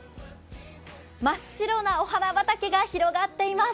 真っ白なお花畑が広がっています。